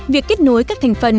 việc kết nối các thành phần